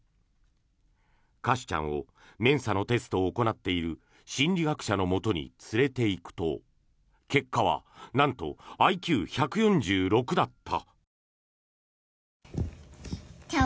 カシュちゃんをメンサのテストを行っている心理学者のもとに連れていくと結果はなんと、ＩＱ１４６だった。